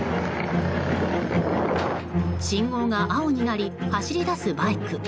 信号が青になり走り出すバイク。